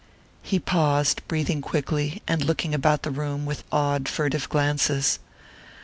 He paused, breathing quickly, and looking about the room with odd, furtive glances.